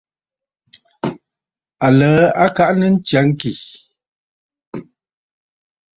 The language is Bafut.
Aləə kaʼanə ntsya ŋkì.